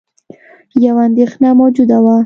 یوه اندېښنه موجوده وه